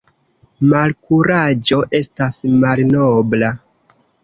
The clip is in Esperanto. Malkuraĝo estas malnobla.